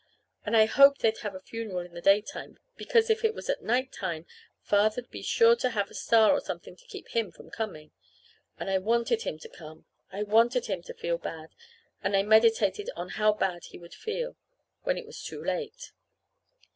And I hoped they 'd have the funeral in the daytime, because if it was at night time Father'd be sure to have a star or something to keep him from coming. And I wanted him to come. I wanted him to feel bad; and I meditated on how bad he would feel when it was too late.